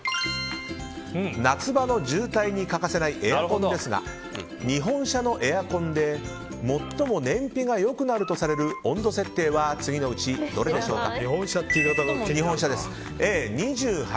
夏場の渋滞に欠かせないエアコンですが日本車のエアコンで最も燃費が良くなるとされる温度設定は次のうちどれでしょうか？